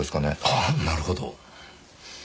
ああなるほど。